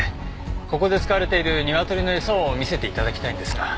ここで使われている鶏の餌を見せて頂きたいんですが。